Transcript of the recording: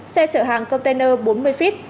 xe chở hàng container bốn mươi feet